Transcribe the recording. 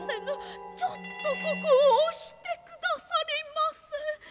ちょっとここを押してくださりませ。